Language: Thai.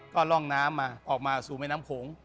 ก็ร่องน้ำมาออกมาสู่แม่น้ำโขง